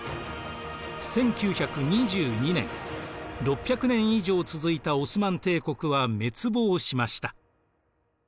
１９２２年６００年以上続いたオスマン帝国は滅亡しました。